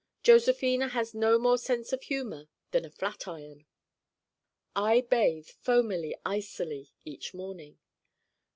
Josephina has no more sense of humor than a flatiron. I bathe foamily icily each morning.